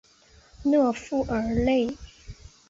勒富尔内。